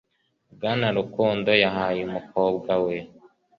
Bwana Rukundo yahaye umukobwa we